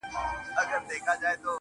که ژوند راکوې.